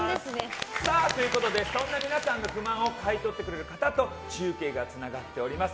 そんな皆さんの不満を買い取ってくれる方と中継がつながっております。